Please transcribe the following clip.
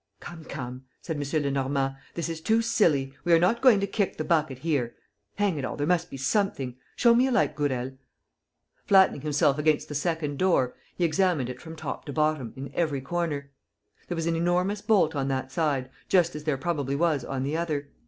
... "Come, come," said M. Lenormand, "this is too silly. We're not going to kick the bucket here! Hang it all, there must be something! ... Show me a light, Gourel." Flattening himself against the second door, he examined it from top to bottom, in every corner. There was an enormous bolt on that side, just as there probably was on the other.